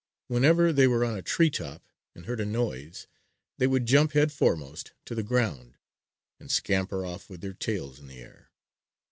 Whenever they were on a tree top and heard a noise, they would jump head foremost to the ground and scamper off with their tails in the air.